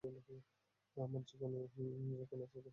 আমার জীবনে কেন আসতে গেলে, রিংকু?